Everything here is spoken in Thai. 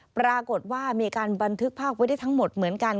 ปรากฏว่ามีการบันทึกภาพไว้ได้ทั้งหมดเหมือนกัน